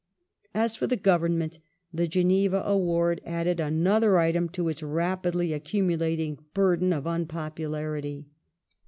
As for the Government, the Geneva Award added another item to its rapidly accumulating bui den of unpopularity.